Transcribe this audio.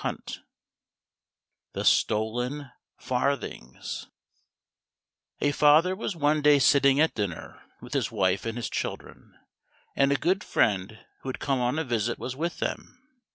154 The Stolen Farthings A father was one day sitting at dinner with his wife and his children, and a good friend who had come on a visit was with them.